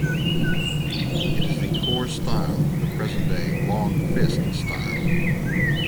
It is the core style of the present-day Long Fist style.